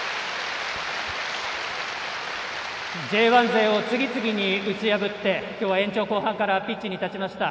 Ｊ１勢を次々に打ち破って今日は延長後半からピッチに立ちました。